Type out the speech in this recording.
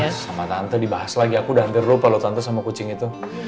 iya sama tante dibahas lagi aku udah hampir lupa loh tante sama kucing itu